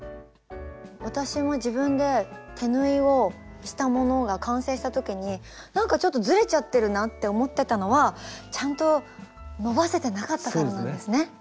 私も自分で手縫いをしたものが完成した時になんかちょっとずれちゃってるなって思ってたのはちゃんと伸ばせてなかったからなんですね。